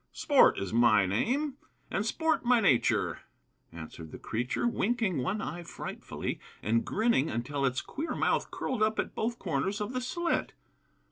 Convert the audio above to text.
"Sport is my name, and sport my nature," answered the creature, winking one eye frightfully, and grinning until its queer mouth curled up at both corners of the slit.